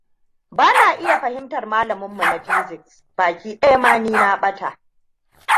Ba na iya fahimtar malaminmu na physics ba. Baki ɗaya na kam na bata!